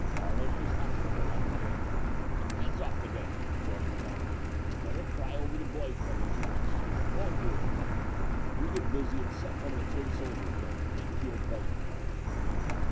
Carlos was after her like a panther. "Hands off that dame!" Cadorna yelled. "Let her cry over the boy friend if she wants to. Won't do her any good. You get busy and set one of the tin soldiers goin'. Make the old buzzard talk."